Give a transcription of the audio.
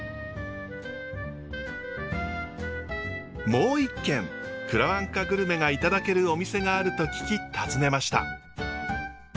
もう一軒くらわんかグルメがいただけるお店があると聞き訪ねました。